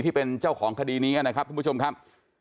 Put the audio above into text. ที่เป็นเจ้าของคดีนี้นะครับทุกผู้ชมครับ